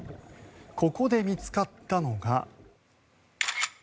ここで見つかったのが。